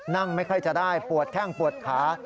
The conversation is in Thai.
นั่งไม่ค่อยจะได้ปวดแข้งปวดขา